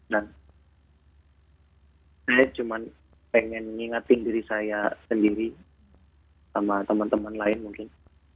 dan saya cuma pengen mengingatkan diri saya sendiri sama teman teman lain mungkin